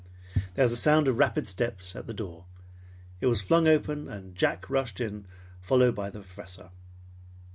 There was a sound of rapid steps at the door. It was flung open and Jack rushed in, closely followed by the Professor.